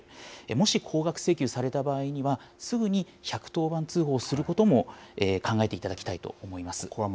もし高額請求された場合には、すぐに１１０番通報することも考えていただきたいと思います。